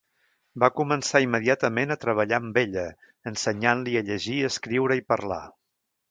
Va començar immediatament a treballar amb ella ensenyant-li a llegir, escriure i parlar.